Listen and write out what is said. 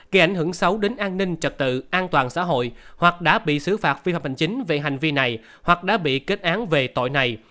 gây ảnh hưởng xấu đến an ninh trật tự an toàn xã hội hoặc đã bị xử phạt phi hợp hành chính về hành vi này hoặc đã bị kết án về tội này